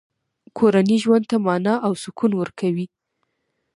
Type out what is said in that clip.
کورنۍ ژوند ته مانا او سکون ورکوي.